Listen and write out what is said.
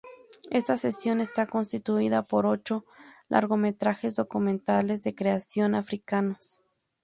Esta sección está constituida por ocho largometrajes documentales de creación africanos.